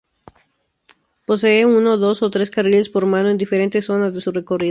Posee uno, dos o tres carriles por mano en diferentes zonas de su recorrido.